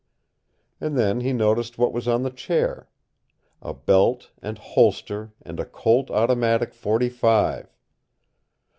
And then he noticed what was on the chair a belt and holster and a Colt automatic forty five!